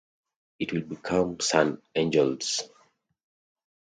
It will become San Angeles.